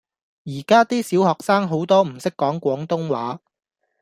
而家 D 小學生好多唔識講廣東話